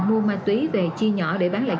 mua ma túy về chi nhỏ để bán lại